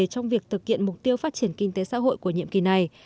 trong việc thực hiện mục tiêu phát triển kinh tế xã hội của nhiệm kỳ này